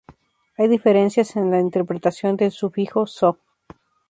Hay diferencias en la interpretación del sufijo "só".